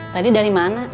tadi dari mana